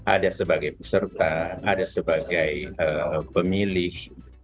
ada sebagai peserta ada sebagai pemilih